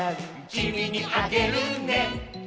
「きみにあげるね」